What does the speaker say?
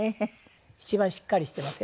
一番しっかりしてますよ